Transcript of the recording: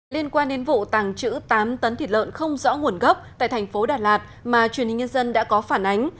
liên quan đến vụ tàng trữ tám tấn thịt lợn không rõ nguồn gốc tại thành phố đà lạt mà truyền hình nhân dân đã có phản ánh